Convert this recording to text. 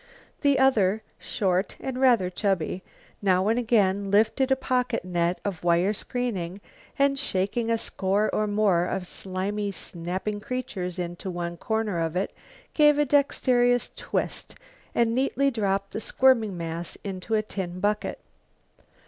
The other, short and rather chubby, now and again lifted a pocket net of wire screening, and, shaking a score or more of slimy, snapping creatures into one corner of it, gave a dexterous twist and neatly dropped the squirming mass into a tin bucket.